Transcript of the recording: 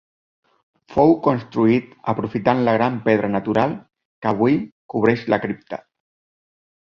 Fou construït aprofitant la gran pedra natural que avui cobreix la cripta.